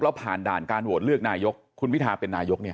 แล้วผ่านด่านการโหวตเลือกนายกคุณพิทาเป็นนายก